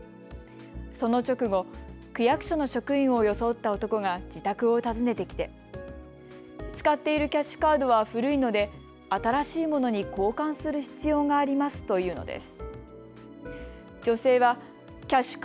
その直後、区役所の職員を装った男が自宅を訪ねてきて使っているキャッシュカードは古いので新しいものに交換する必要がありますと言うのです。